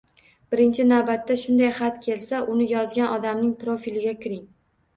Birinchi navbatda, shunday xat kelsa, uni yozgan odamning profiliga kiring